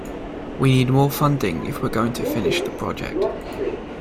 We need more funding if we're going to finish the project.